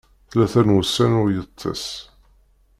Tlata n wussan ur yeṭṭis.